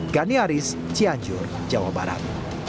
gani aris cianjur jawa barat